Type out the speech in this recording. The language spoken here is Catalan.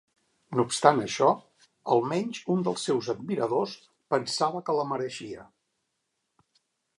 No obstant això, almenys un dels seus admiradors pensava que la mereixia.